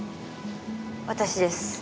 私です。